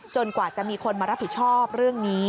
กว่าจะมีคนมารับผิดชอบเรื่องนี้